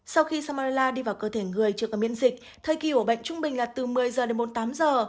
sau khi salmonella đi vào cơ thể người chưa có miễn dịch thời kỳ của bệnh trung bình là từ một mươi giờ đến bốn mươi tám giờ